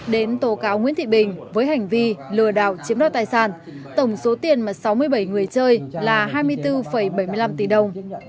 đến tố cáo nguyễn thị bình với hành vi lừa đảo chiếm đo tài sản tổng số tiền mà sáu mươi bảy người chơi là hai mươi bốn bảy mươi năm tỷ đồng